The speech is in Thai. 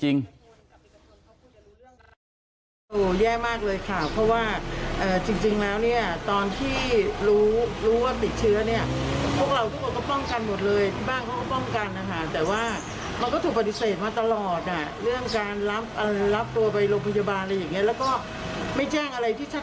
หรือว่าพูดไม่รู้เรื่องหรือไงอะไรยังไงอย่างนี้ค่ะ